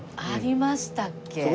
ありましたっけ？